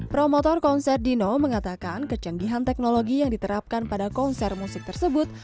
promotor konser dino mengatakan kecanggihan teknologi yang diterapkan pada konser musik tersebut